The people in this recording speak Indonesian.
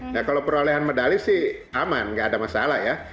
nah kalau perolehan medali sih aman nggak ada masalah ya